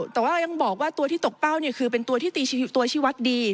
แต่ว่ายังบอกว่าตัวที่ตกเป้าเนี่ยคือเป็นตัวที่ตีตัวชีวัตรดี